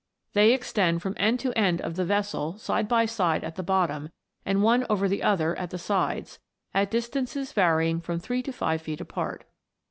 They extend from end to end of the vessel side by side at the bottom, and one over the other at the sides, at distances varying from three to five feet apart.